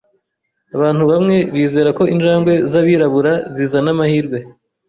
Abantu bamwe bizera ko injangwe zabirabura zizana amahirwe.